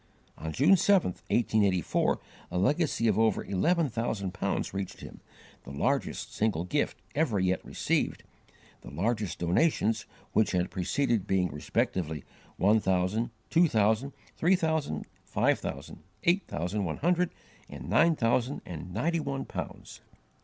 On June 7, 1884, a legacy of over eleven thousand pounds reached him, the largest single gift ever yet received, the largest donations which had preceded being respectively one thousand, two thousand, three thousand, five thousand, eight thousand one hundred, and nine thousand and ninety one pounds.